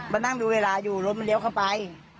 มานั่งดูเวลาอยู่รถมันเลี้ยวเข้าไป